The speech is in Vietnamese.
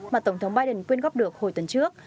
mà tổng thống biden quyên góp được hồi tuần trước